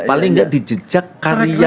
paling gak dijejak karya